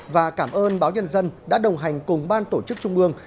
và cảm ơn báo nhân dân đã đồng hành cùng ban tổ chức trung ương